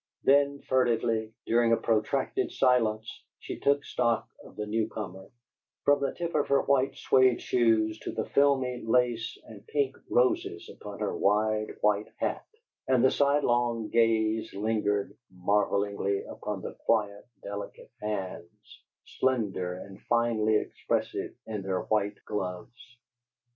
Then, furtively, during a protracted silence, she took stock of the new comer, from the tip of her white suede shoes to the filmy lace and pink roses upon her wide white hat; and the sidelong gaze lingered marvellingly upon the quiet, delicate hands, slender and finely expressive, in their white gloves.